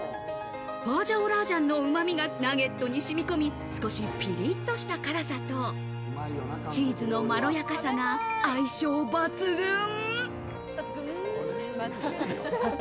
ファージャオラージャンのうまみがナゲットにしみこみ、少しピリッとした辛さと、チーズのまろやかさが相性抜群。